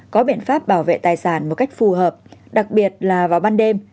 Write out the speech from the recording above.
có biện pháp bảo vệ tài sản một cách phù hợp đặc biệt là vào ban đêm